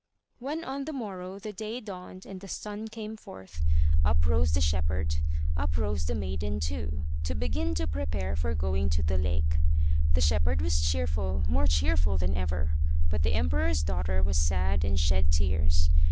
When, on the morrow, the day dawned and the sun came forth, up rose the shepherd, up rose the maiden too, to begin to prepare for going to the lake. The shepherd was cheerful, more cheerful than ever, but the emperor's daughter was sad and shed tears.